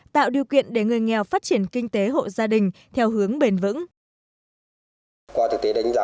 tạo điều kiện để người nghèo phát triển kinh tế hộ gia đình theo hướng bền vững